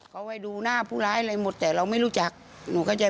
เขาไว้ดูหน้าผู้ร้ายอะไรหมดแต่เราไม่รู้จักหนูก็จะ